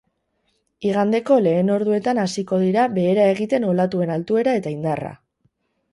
Igandeko lehen orduetan hasiko dira behera egiten olatuen altuera eta indarra.